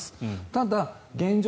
ただ、現状